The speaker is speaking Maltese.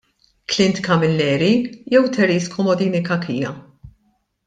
Clint Camilleri jew Therese Comodini Cachia?